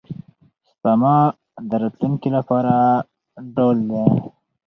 سپما د راتلونکي لپاره ډال دی.